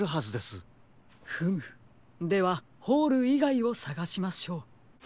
フムではホールいがいをさがしましょう。